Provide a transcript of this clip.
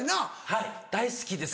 はい大好きです。